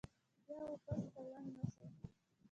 بيا واپس پيوند نۀ شوه ۔